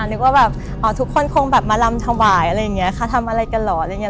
นึกว่าแบบทุกคนคงแบบมาลำถวายอะไรอย่างนี้ค่ะทำอะไรกันเหรออะไรอย่างเง